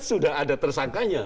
sudah ada tersangkanya